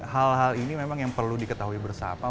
hal hal ini memang yang perlu diketahui bersama